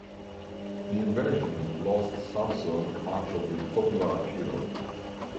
The invasion lost Sampson much of his popular appeal.